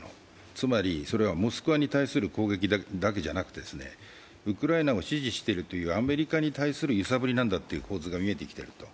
つまり、それはモスクワに対する攻撃だけじゃなくて、ウクライナを支持しているというアメリカに対する揺さぶりなんだという構図が見えてきてる。